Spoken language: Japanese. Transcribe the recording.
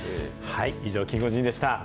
以上、キンゴジンでした。